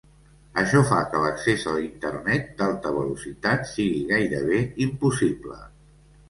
Això fa que l'accés a l'Internet d'alta velocitat sigui gairebé impossible.